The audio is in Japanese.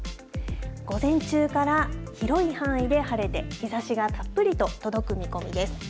午前中から広い範囲で晴れて、日ざしがたっぷりと届く見込みです。